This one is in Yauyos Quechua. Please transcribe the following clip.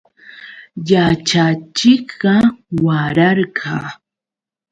Yaćhachiqqa wararqa.